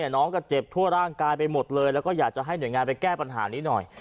น้องก็เจ็บทั่วร่างกายไปหมดเลยแล้วก็อยากจะให้หน่วยงานไปแก้ปัญหานี้หน่อย